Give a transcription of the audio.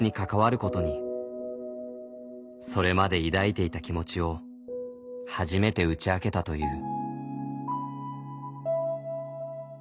それまで抱いていた気持ちを初めて打ち明けたという。